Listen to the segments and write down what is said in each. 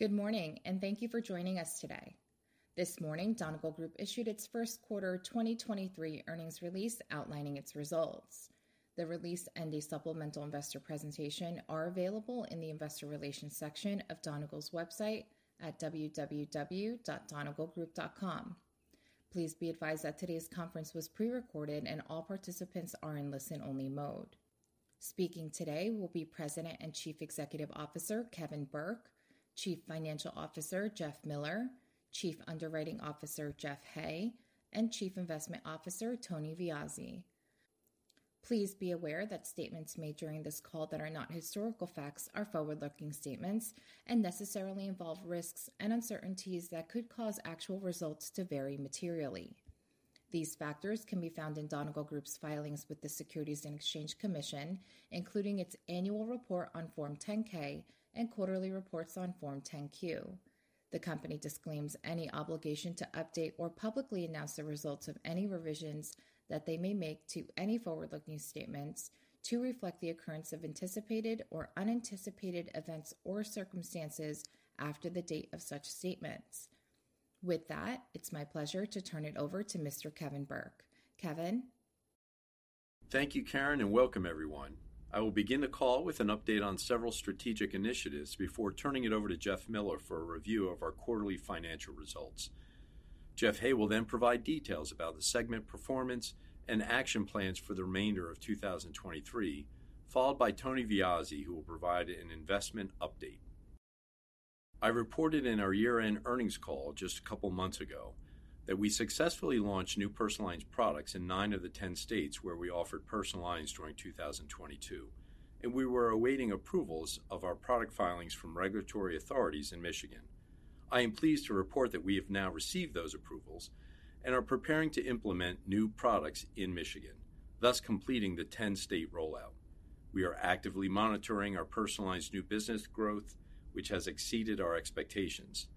Good morning, and thank you for joining us today. This morning, Donegal Group issued its first quarter 2023 earnings release outlining its results. The release and a supplemental investor presentation are available in the Investor Relations section of Donegal's website at www.donegalgroup.com. Please be advised that today's conference was prerecorded and all participants are in listen-only mode. Speaking today will be President and Chief Executive Officer, Kevin Burke; Chief Financial Officer, Jeff Miller; Chief Underwriting Officer, Jeff Hay; and Chief Investment Officer, Tony Viozzi. Please be aware that statements made during this call that are not historical facts are forward-looking statements and necessarily involve risks and uncertainties that could cause actual results to vary materially. These factors can be found in Donegal Group's filings with the Securities and Exchange Commission, including its annual report on Form 10-K and quarterly reports on Form 10-Q. The company disclaims any obligation to update or publicly announce the results of any revisions that they may make to any forward-looking statements to reflect the occurrence of anticipated or unanticipated events or circumstances after the date of such statements. With that, it's my pleasure to turn it over to Mr. Kevin Burke. Kevin? Thank you, Karen, and welcome everyone. I will begin the call with an update on several strategic initiatives before turning it over to Jeff Miller for a review of our quarterly financial results. Jeff Hay will then provide details about the segment performance and action plans for the remainder of 2023, followed by Tony Viozzi, who will provide an investment update. I reported in our year-end earnings call just a couple months ago, that we successfully launched new personal lines products in nine of the 10 states where we offered personal lines during 2022, and we were awaiting approvals of our product filings from regulatory authorities in Michigan. I am pleased to report that we have now received those approvals and are preparing to implement new products in Michigan, thus completing the 10-state rollout. We are actively monitoring our personal lines new business growth, which has exceeded our expectations.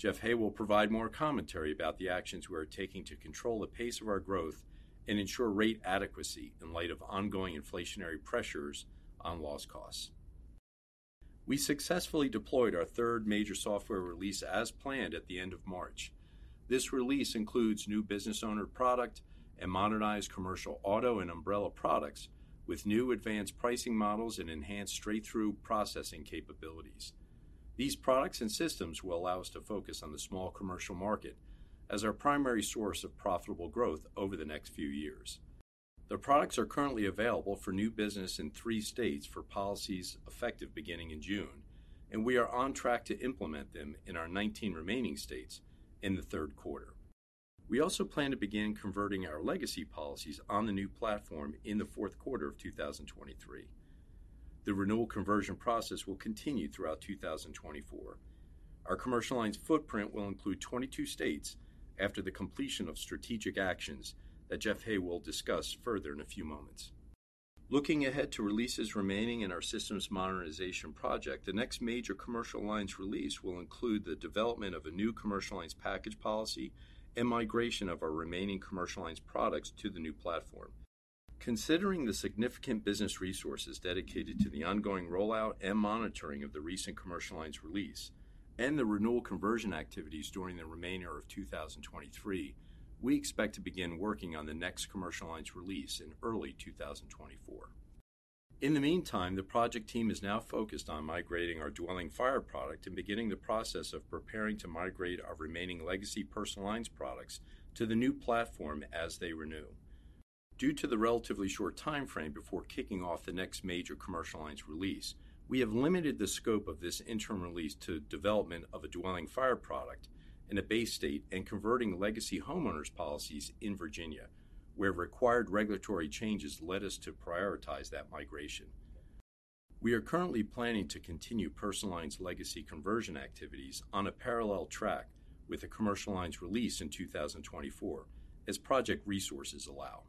Jeff Hay will provide more commentary about the actions we are taking to control the pace of our growth and ensure rate adequacy in light of ongoing inflationary pressures on loss costs. We successfully deployed our third major software release as planned at the end of March. This release includes new business owner product and modernized commercial auto and umbrella products with new advanced pricing models and enhanced straight-through processing capabilities. These products and systems will allow us to focus on the small commercial market as our primary source of profitable growth over the next few years. The products are currently available for new business in three states for policies effective beginning in June, and we are on track to implement them in our 19 remaining states in the third quarter. We also plan to begin converting our legacy policies on the new platform in the fourth quarter of 2023. The renewal conversion process will continue throughout 2024. Our commercial lines footprint will include 22 states after the completion of strategic actions that Jeff Hay will discuss further in a few moments. Looking ahead to releases remaining in our systems modernization project, the next major commercial lines release will include the development of a new commercial lines package policy and migration of our remaining commercial lines products to the new platform. Considering the significant business resources dedicated to the ongoing rollout and monitoring of the recent commercial lines release and the renewal conversion activities during the remainder of 2023, we expect to begin working on the next commercial lines release in early 2024. In the meantime, the project team is now focused on migrating our dwelling fire product and beginning the process of preparing to migrate our remaining legacy personal lines products to the new platform as they renew. Due to the relatively short timeframe before kicking off the next major commercial lines release, we have limited the scope of this interim release to development of a dwelling fire product in a base state and converting legacy homeowners policies in Virginia, where required regulatory changes led us to prioritize that migration. We are currently planning to continue personal lines legacy conversion activities on a parallel track with the commercial lines release in 2024, as project resources allow.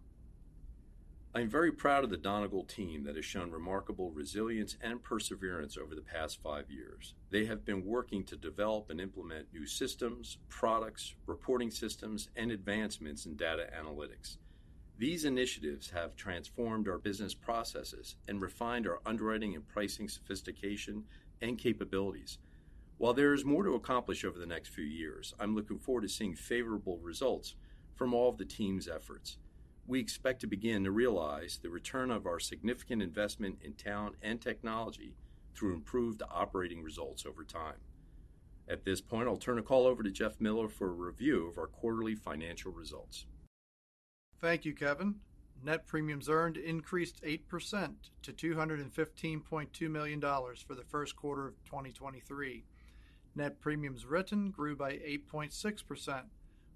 I am very proud of the Donegal team that has shown remarkable resilience and perseverance over the past five years. They have been working to develop and implement new systems, products, reporting systems, and advancements in data analytics. These initiatives have transformed our business processes and refined our underwriting and pricing sophistication and capabilities. While there is more to accomplish over the next few years, I'm looking forward to seeing favorable results from all of the team's efforts. We expect to begin to realize the return of our significant investment in talent and technology through improved operating results over time. At this point, I'll turn the call over to Jeff Miller for a review of our quarterly financial results. Thank you, Kevin. Net premiums earned increased 8% to $215.2 million for the first quarter of 2023. Net premiums written grew by 8.6%,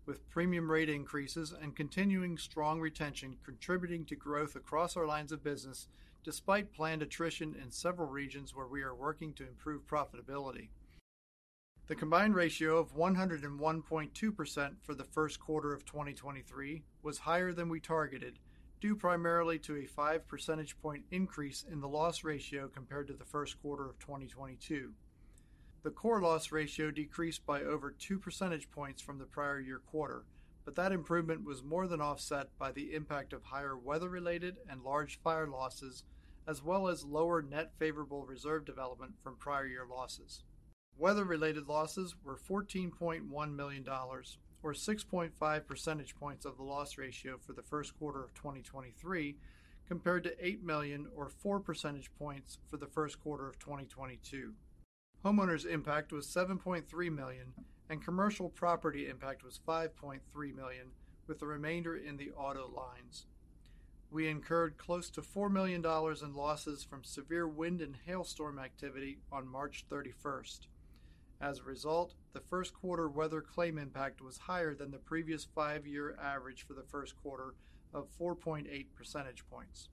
with premium rate increases and continuing strong retention contributing to growth across our lines of business, despite planned attrition in several regions where we are working to improve profitability. The combined ratio of 101.2% for the first quarter of 2023 was higher than we targeted, due primarily to a 5 percentage point increase in the loss ratio compared to the first quarter of 2022. The core loss ratio decreased by over two percentage points from the prior year quarter, but that improvement was more than offset by the impact of higher weather-related and large fire losses, as well as lower net favorable reserve development from prior year losses. Weather-related losses were $14.1 million, or 6.5 percentage points of the loss ratio for the first quarter of 2023, compared to $8 million, or 4 percentage points for the first quarter of 2022. Homeowners impact was $7.3 million, and commercial property impact was $5.3 million, with the remainder in the auto lines. We incurred close to $4 million in losses from severe wind and hailstorm activity on March 31. As a result, the first quarter weather claim impact was higher than the previous five-year average for the first quarter of 4.8 percentage points.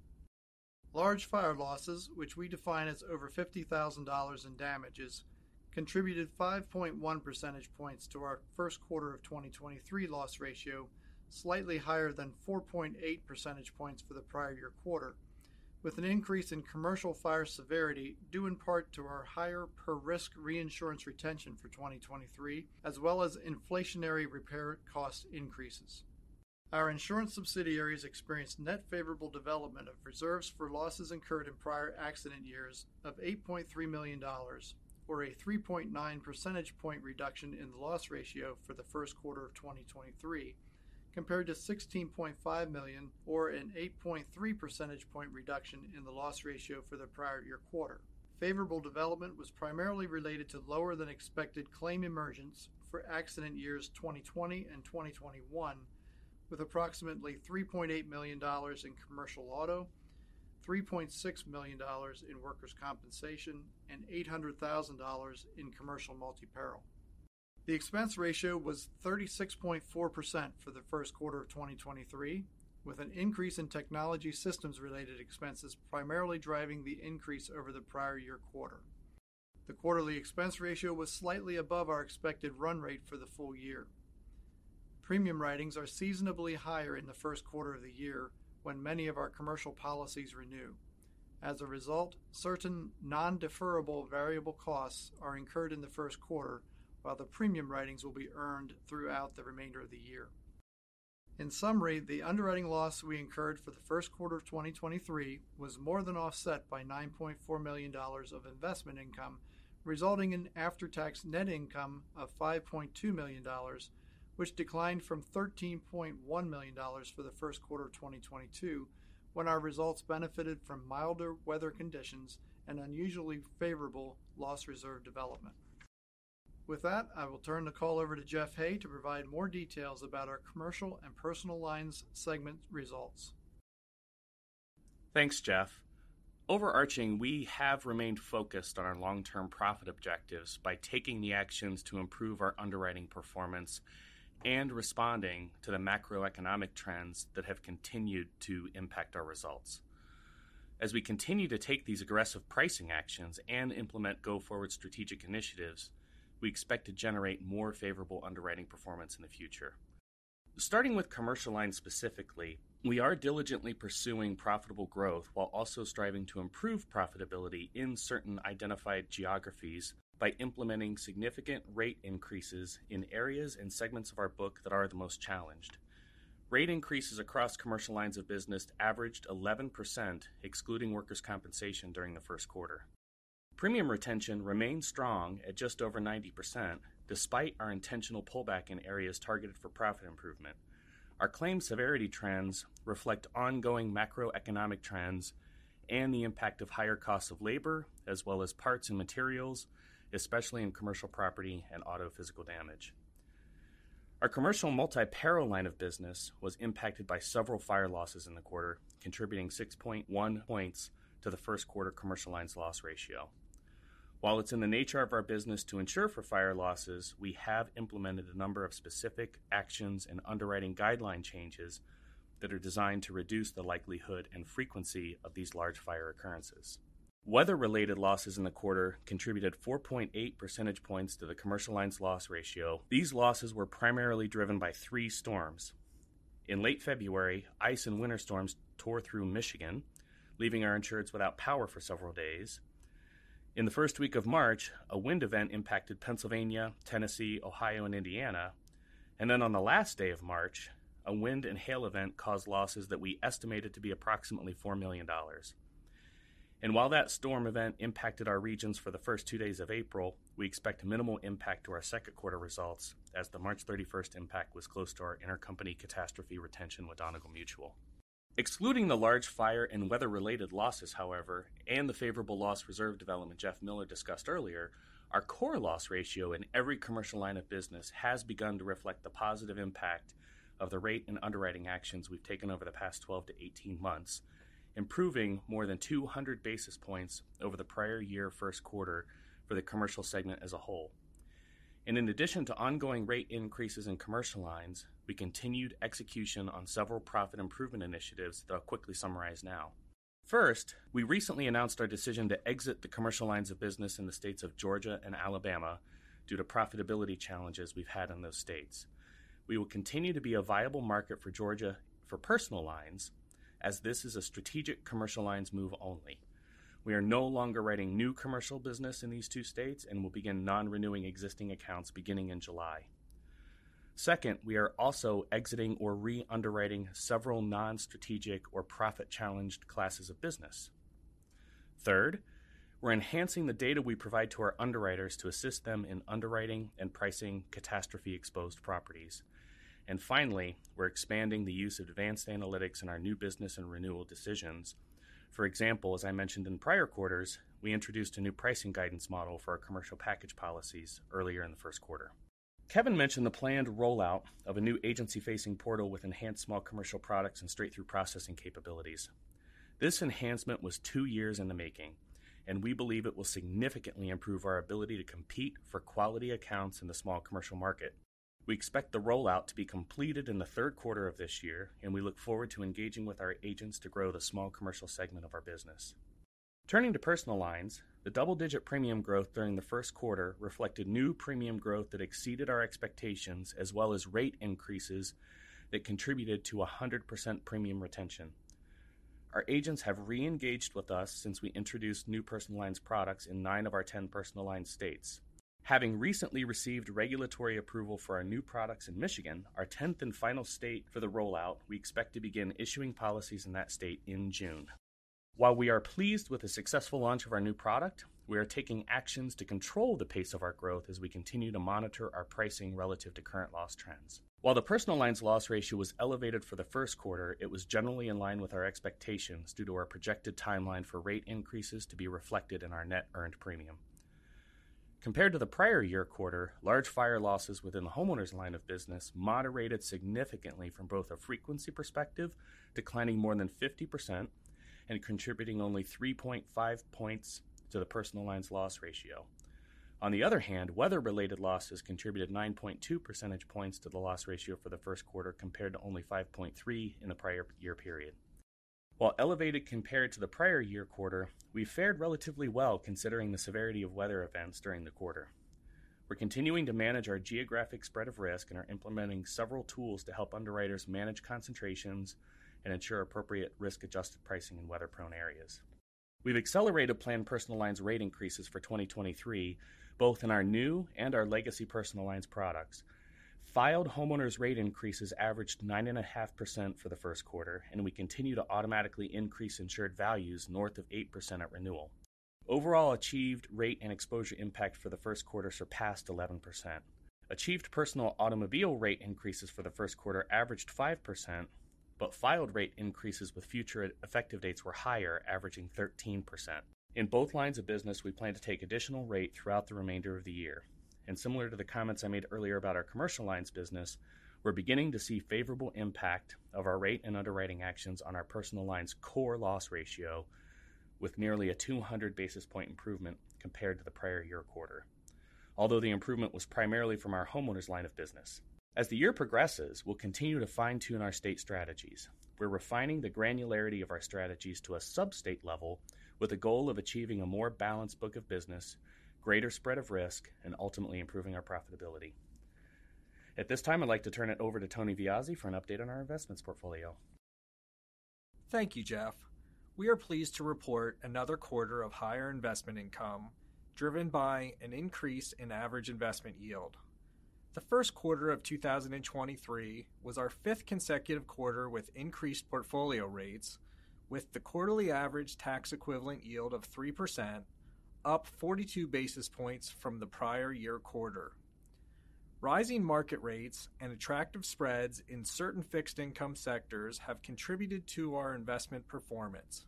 Large fire losses, which we define as over $50,000 in damages, contributed 5.1 percentage points to our first quarter of 2023 loss ratio, slightly higher than 4.8 percentage points for the prior year quarter, with an increase in commercial fire severity, due in part to our higher per risk reinsurance retention for 2023, as well as inflationary repair cost increases. Our insurance subsidiaries experienced net favorable development of reserves for losses incurred in prior accident years of $8.3 million, or a 3.9 percentage point reduction in the loss ratio for the first quarter of 2023, compared to $16.5 million, or an 8.3 percentage point reduction in the loss ratio for the prior year quarter. Favorable development was primarily related to lower-than-expected claim emergence for accident years 2020 and 2021, with approximately $3.8 million in commercial auto, $3.6 million in workers' compensation, and $800,000 in commercial multi-peril. The expense ratio was 36.4% for the first quarter of 2023, with an increase in technology systems-related expenses, primarily driving the increase over the prior year quarter. The quarterly expense ratio was slightly above our expected run rate for the full year. Premium writings are seasonably higher in the first quarter of the year when many of our commercial policies renew. As a result, certain non-deferrable variable costs are incurred in the first quarter, while the premium writings will be earned throughout the remainder of the year. In summary, the underwriting loss we incurred for the first quarter of 2023 was more than offset by $9.4 million of investment income, resulting in after-tax net income of $5.2 million, which declined from $13.1 million for the first quarter of 2022, when our results benefited from milder weather conditions and unusually favorable loss reserve development. With that, I will turn the call over to Jeff Hay to provide more details about our commercial and personal lines segment results. Thanks, Jeff. Overarching, we have remained focused on our long-term profit objectives by taking the actions to improve our underwriting performance and responding to the macroeconomic trends that have continued to impact our results. As we continue to take these aggressive pricing actions and implement go-forward strategic initiatives, we expect to generate more favorable underwriting performance in the future. Starting with commercial lines specifically, we are diligently pursuing profitable growth while also striving to improve profitability in certain identified geographies by implementing significant rate increases in areas and segments of our book that are the most challenged. Rate increases across commercial lines of business averaged 11%, excluding workers' compensation, during the first quarter. Premium retention remained strong at just over 90%, despite our intentional pullback in areas targeted for profit improvement. Our claim severity trends reflect ongoing macroeconomic trends and the impact of higher costs of labor, as well as parts and materials, especially in commercial property and auto physical damage. Our commercial multi-peril line of business was impacted by several fire losses in the quarter, contributing 6.1 points to the first quarter commercial lines loss ratio. While it's in the nature of our business to insure for fire losses, we have implemented a number of specific actions and underwriting guideline changes that are designed to reduce the likelihood and frequency of these large fire occurrences. Weather-related losses in the quarter contributed 4.8 percentage points to the commercial lines loss ratio. These losses were primarily driven by three storms. In late February, ice and winter storms tore through Michigan, leaving our insureds without power for several days. In the first week of March, a wind event impacted Pennsylvania, Tennessee, Ohio, and Indiana. Then on the last day of March, a wind and hail event caused losses that we estimated to be approximately $4 million. While that storm event impacted our regions for the first two days of April, we expect minimal impact to our second quarter results, as the March thirty-first impact was close to our intercompany catastrophe retention with Donegal Mutual. Excluding the large fire and weather-related losses, however, and the favorable loss reserve development Jeff Miller discussed earlier, our core loss ratio in every commercial line of business has begun to reflect the positive impact of the rate and underwriting actions we've taken over the past 12 to 18 months, improving more than 200 basis points over the prior year first quarter for the commercial segment as a whole. In addition to ongoing rate increases in commercial lines, we continued execution on several profit improvement initiatives that I'll quickly summarize now. First, we recently announced our decision to exit the commercial lines of business in the states of Georgia and Alabama due to profitability challenges we've had in those states. We will continue to be a viable market for Georgia for personal lines, as this is a strategic commercial lines move only. We are no longer writing new commercial business in these two states and will begin non-renewing existing accounts beginning in July. Second, we are also exiting or re-underwriting several non-strategic or profit-challenged classes of business. Third, we're enhancing the data we provide to our underwriters to assist them in underwriting and pricing catastrophe-exposed properties. And finally, we're expanding the use of advanced analytics in our new business and renewal decisions. For example, as I mentioned in prior quarters, we introduced a new pricing guidance model for our commercial package policies earlier in the first quarter. Kevin mentioned the planned rollout of a new agency-facing portal with enhanced small commercial products and straight-through processing capabilities. This enhancement was two years in the making, and we believe it will significantly improve our ability to compete for quality accounts in the small commercial market. We expect the rollout to be completed in the third quarter of this year, and we look forward to engaging with our agents to grow the small commercial segment of our business. Turning to personal lines, the double-digit premium growth during the first quarter reflected new premium growth that exceeded our expectations, as well as rate increases that contributed to 100% premium retention. Our agents have re-engaged with us since we introduced new personal lines products in nine of our 10 personal lines states. Having recently received regulatory approval for our new products in Michigan, our 10th and final state for the rollout, we expect to begin issuing policies in that state in June. While we are pleased with the successful launch of our new product, we are taking actions to control the pace of our growth as we continue to monitor our pricing relative to current loss trends. While the personal lines loss ratio was elevated for the first quarter, it was generally in line with our expectations due to our projected timeline for rate increases to be reflected in our net earned premium. Compared to the prior year quarter, large fire losses within the homeowners line of business moderated significantly from both a frequency perspective, declining more than 50% and contributing only 3.5 points to the personal lines loss ratio. On the other hand, weather-related losses contributed 9.2 percentage points to the loss ratio for the first quarter, compared to only 5.3 in the prior year period. While elevated compared to the prior year quarter, we fared relatively well, considering the severity of weather events during the quarter. We're continuing to manage our geographic spread of risk and are implementing several tools to help underwriters manage concentrations and ensure appropriate risk-adjusted pricing in weather-prone areas. We've accelerated planned personal lines rate increases for 2023, both in our new and our legacy personal lines products. Filed homeowners rate increases averaged 9.5% for the first quarter, and we continue to automatically increase insured values north of 8% at renewal. Overall, achieved rate and exposure impact for the first quarter surpassed 11%. Achieved personal automobile rate increases for the first quarter averaged 5%, but filed rate increases with future effective dates were higher, averaging 13%. In both lines of business, we plan to take additional rate throughout the remainder of the year. Similar to the comments I made earlier about our commercial lines business, we're beginning to see favorable impact of our rate and underwriting actions on our personal lines core loss ratio, with nearly a 200 basis point improvement compared to the prior year quarter. Although the improvement was primarily from our homeowners line of business. As the year progresses, we'll continue to fine-tune our state strategies. We're refining the granularity of our strategies to a sub-state level with a goal of achieving a more balanced book of business, greater spread of risk, and ultimately improving our profitability. At this time, I'd like to turn it over to Tony Viozzi for an update on our investment portfolio. Thank you, Jeff. We are pleased to report another quarter of higher investment income, driven by an increase in average investment yield. The first quarter of 2023 was our 5th consecutive quarter with increased portfolio rates, with the quarterly average tax equivalent yield of 3%, up 42 basis points from the prior year quarter. Rising market rates and attractive spreads in certain fixed income sectors have contributed to our investment performance.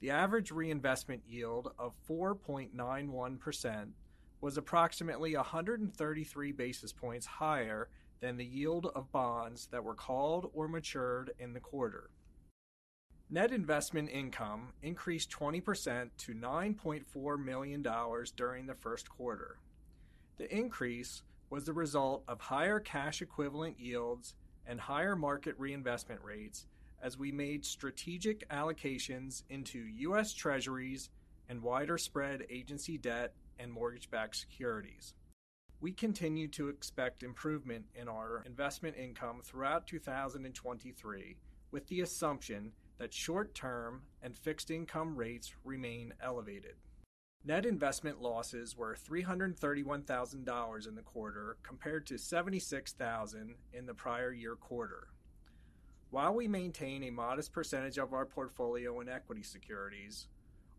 The average reinvestment yield of 4.91% was approximately 133 basis points higher than the yield of bonds that were called or matured in the quarter. Net investment income increased 20% to $9.4 million during the first quarter. The increase was the result of higher cash equivalent yields and higher market reinvestment rates as we made strategic allocations into U.S. Treasuries and wider spread agency debt and mortgage-backed securities. We continue to expect improvement in our investment income throughout 2023, with the assumption that short-term and fixed income rates remain elevated. Net investment losses were $331,000 in the quarter, compared to $76,000 in the prior year quarter. While we maintain a modest percentage of our portfolio in equity securities,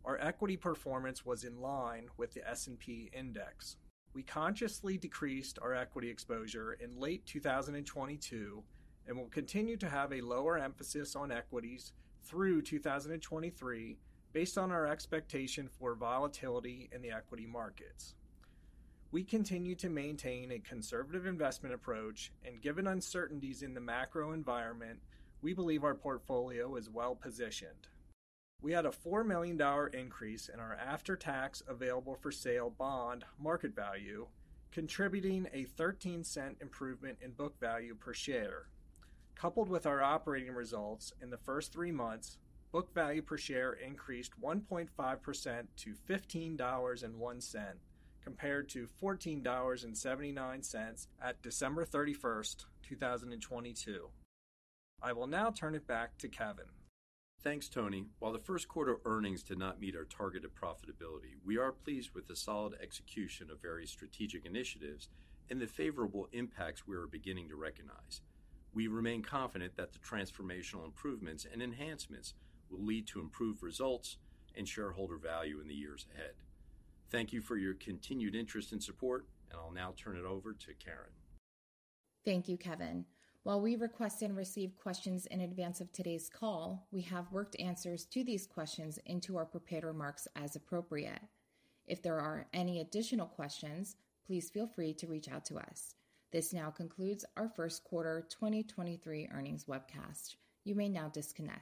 our equity performance was in line with the S&P index. We consciously decreased our equity exposure in late 2022 and will continue to have a lower emphasis on equities through 2023, based on our expectation for volatility in the equity markets. We continue to maintain a conservative investment approach, and given uncertainties in the macro environment, we believe our portfolio is well-positioned. We had a $4 million increase in our after-tax available for sale bond market value, contributing a 13-cent improvement in book value per share. Coupled with our operating results in the first three months, book value per share increased 1.5% to $15.01, compared to $14.79 at December 31, 2022. I will now turn it back to Kevin. Thanks, Tony. While the first quarter earnings did not meet our targeted profitability, we are pleased with the solid execution of various strategic initiatives and the favorable impacts we are beginning to recognize. We remain confident that the transformational improvements and enhancements will lead to improved results and shareholder value in the years ahead. Thank you for your continued interest and support, and I'll now turn it over to Karen. Thank you, Kevin. While we request and receive questions in advance of today's call, we have worked answers to these questions into our prepared remarks as appropriate. If there are any additional questions, please feel free to reach out to us. This now concludes our first quarter 2023 earnings webcast. You may now disconnect.